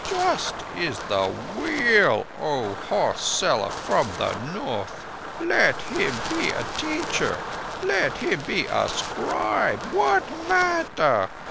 Just is the Wheel, O horse seller from the North. Let him be a teacher; let him be a scribe—what matter?